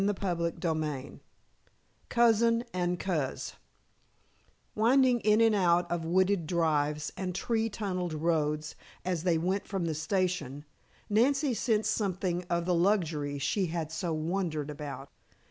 CHAPTER III COUSIN AND COZ Winding in and out of wooded drives and tree tunneled roads, as they went from the station, Nancy sensed something of the luxury she had so wondered about.